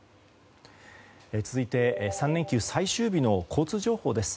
続いて、３連休最終日の交通情報です。